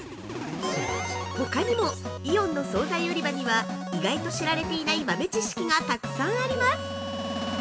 ほかにも、イオンの総菜売り場には意外と知られていない豆知識がたくさんあります。